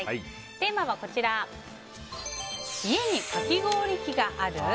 テーマは家にかき氷機がある？